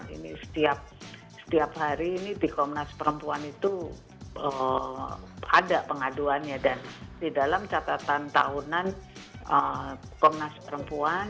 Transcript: ini setiap hari ini di komnas perempuan itu ada pengaduannya dan di dalam catatan tahunan komnas perempuan